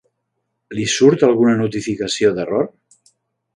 Li surt alguna notificació d'error?